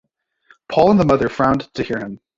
Paul and the mother frowned to hear him.